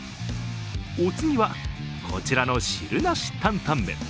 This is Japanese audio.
お次は、こちらの汁なし担々麺。